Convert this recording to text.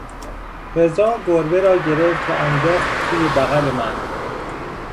رضا گربه را گرفت و انداخت توی بغل من.